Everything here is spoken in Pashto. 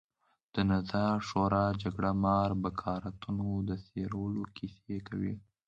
د نظار شورا جګړهمار بکارتونو د څېرلو کیسې کوي.